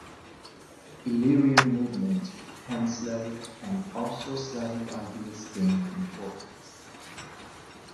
Illyrian movement, Pan-Slavic and Austro-Slavic ideas gained importance.